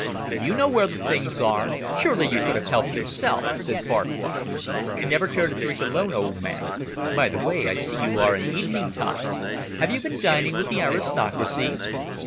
"You know where the things are. Surely you could have helped yourself?" said Farquhar. "Never care to drink alone, old man. By the way, I see you are in evening togs. Have you been dining with the aristocracy?"